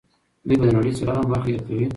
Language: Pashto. دوی به د نړۍ څلورمه برخه هېر کوي.